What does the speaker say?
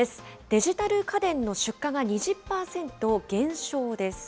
デジタル家電の出荷が２０％減少です。